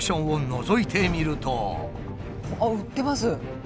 あっ売ってます。